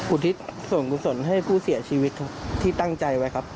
ทิศส่วนกุศลให้ผู้เสียชีวิตครับที่ตั้งใจไว้ครับ